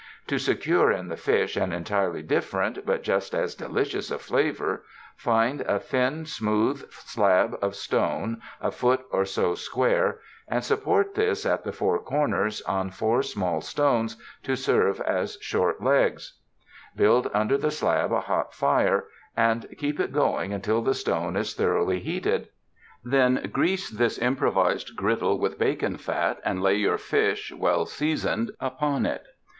To secure in the fish an entirely different but just as delicious a flavor, find a thin, smooth slab of stone a foot or so square, and support this at the four corners on four small stones to serve as short legs. Build under the slab a hot fire and keep it 293 UNDER THE SKY IN CALIFORNIA going until the stone is thoroughly heated; then grease this improvised griddle with bacon fat, and lay your fish, well seasoned, upon it.